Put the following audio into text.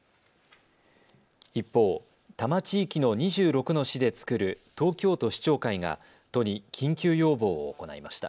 一方、多摩地域の２６の市で作る東京都市長会が都に緊急要望を行いました。